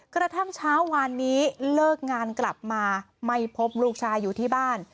กระทั่งเช้าวานนี้เลิกงานกลับมาไม่พบลูกชายอยู่ที่บ้าน